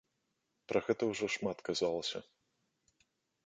Пра гэта ўжо шмат казалася.